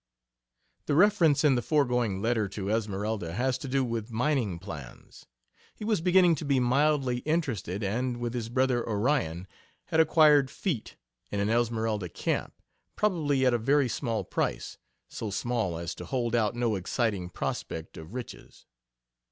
The reference in the foregoing letter to Esmeralda has to do with mining plans. He was beginning to be mildly interested, and, with his brother Orion, had acquired "feet" in an Esmeralda camp, probably at a very small price so small as to hold out no exciting prospect of riches.